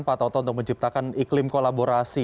pak toto untuk menciptakan iklim kolaborasi